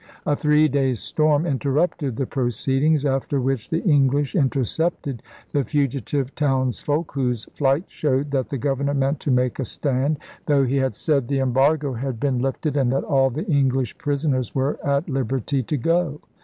A three days' storm interrupted the proceedings; after which the English intercepted the fugitive townsfolk whose flight showed that the governor meant to make a stand, though he had said the embargo had been lifted and that all the English prisoners were at liberty to go.